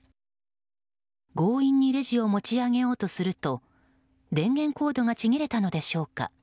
強引にレジを持ち上げようとすると電源コードがちぎれたのでしょうか。